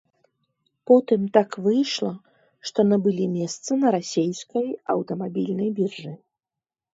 Потым так выйшла, што набылі месца на расейскай аўтамабільнай біржы.